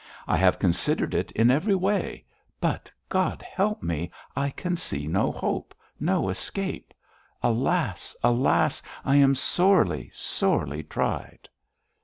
I have considered it in every way but, God help me! I can see no hope no escape. Alas! alas! I am sorely, sorely tried.'